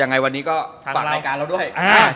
ยังไงวันนี้ก็ฝากรายการเราด้วย